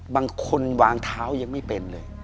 บางคนวางเท้ายังไม่เป็นเลย